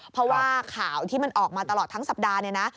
เพราะว่าข่าวที่มันออกมาตลอดทั้งสัปดาห์เนี่ยนะ